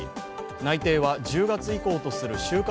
内定は１０月以降とする就活